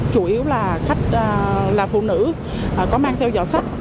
chủ yếu là khách là phụ nữ có mang theo giỏ sách